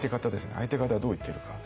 相手方がどう言っているか。